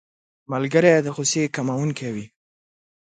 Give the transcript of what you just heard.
ملګری د غوسې کمونکی وي